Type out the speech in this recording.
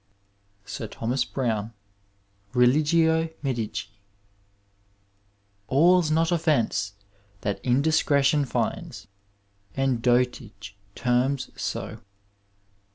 Sib Thomas Bbowhb, ReUgio MedicL All's not offence that indiscretion finds And dotage terms so.